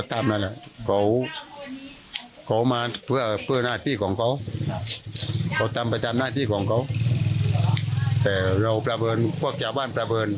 ตามไปทำหน้าที่ของเขาแต่นอกบันของเจ้าบ้าน